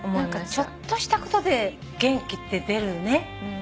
何かちょっとしたことで元気って出るよね。